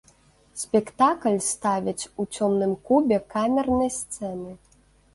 Спектакль ставяць у цёмным кубе камернай сцэны.